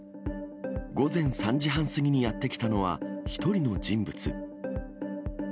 午前３時半過ぎにやって来たのは、１人の人物。